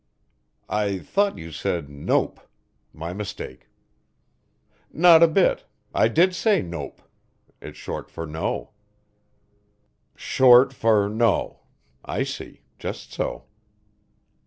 "I thought you said nope my mistake." "Not a bit, I did say nope it's short for no." "Short for no I see, just so."